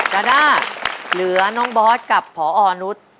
ดาดาเหลือน้องบอดกับผอนุท